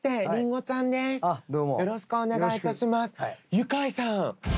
ユカイさん。